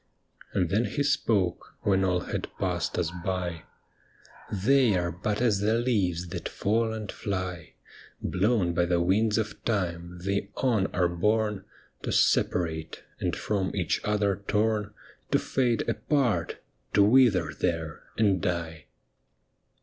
And then he spoke, when all had passed us by, 'THE ME WITHIN THEl BLIND!' 103 " They are but as the leaves that fall and fly ; Blown by the winds of time, they on are borne To separate, and from each other torn To fade apart, to wither there and die."